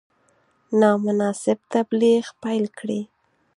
نامناسب تبلیغ پیل کړي.